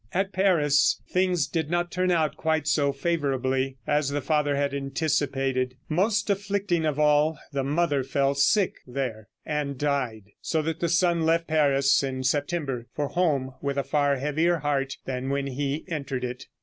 At Paris things did not turn out quite so favorably as the father had anticipated. Most afflicting of all, the mother fell sick there, and died, so that the son left Paris in September for home with a far heavier heart than when he entered it.